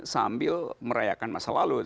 sambil merayakan masa lalu